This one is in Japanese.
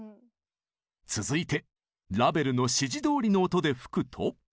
続いてラヴェルの指示どおりの音で吹くと。